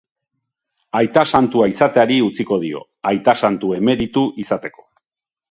Aita santua izateari utziko dio, aita santu emeritu izateko.